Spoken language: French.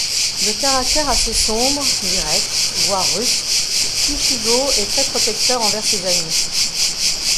De caractère assez sombre, direct, voire rustre, Ichigo est très protecteur envers ses amis.